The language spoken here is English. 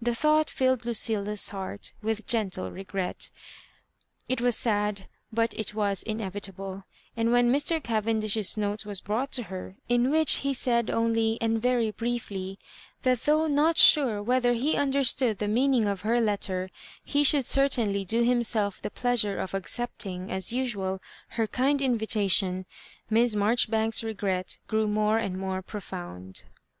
The thought filled Lucil la's heart with gentle regret It was sad, but it was inevitable ; and when Mr. Cavendish's note was brought to her, in which he said only, and very briefly, that though not sure whether ha understood the meaning of her letter, he should certainly do himself the pleasure of accepting, aa usual, her kind invitation. Miss Marjoribanks's regret grew njore and more profound.